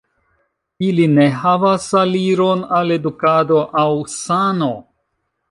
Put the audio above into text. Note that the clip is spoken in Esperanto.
Ili ne havas aliron al edukado aŭ sano.